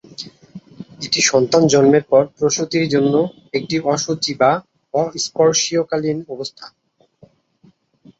এটি সন্তান জন্মের পর প্রসূতির জন্য একটি অশুচি বা অস্পৃশ্যকালীন অবস্থা।